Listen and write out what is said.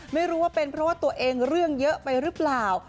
ไม่รู้ว่าเป็นเพราะว่าตัวเองเรื่องเยอะไปหรือเปล่า